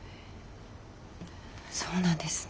そうなんですね。